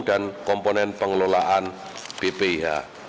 dan komponen pengelolaan bpih